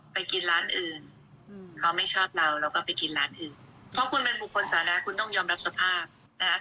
ผิดกันวันนั้นที่ร้านอาหารที่ไอ้แสน